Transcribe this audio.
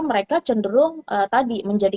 mereka cenderung tadi menjadi